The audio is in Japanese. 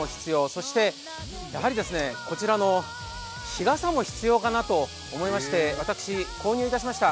そしてこちらの日傘も必要かなと思いまして私、購入いたしました。